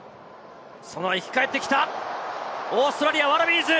生き返ってきたオーストラリア・ワラビーズ。